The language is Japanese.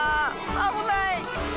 あぶない！